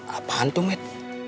apaan tuh med